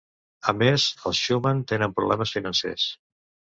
A més, els Schumann tenen problemes financers.